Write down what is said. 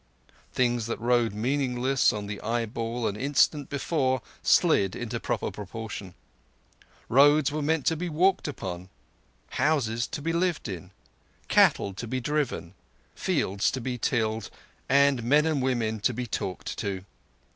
Things that rode meaningless on the eyeball an instant before slid into proper proportion. Roads were meant to be walked upon, houses to be lived in, cattle to be driven, fields to be tilled, and men and women to be talked to.